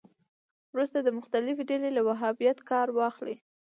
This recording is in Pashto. وروسته مختلفې ډلې له وهابیت کار واخلي